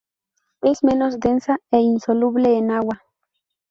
Es menos densa e insoluble en agua.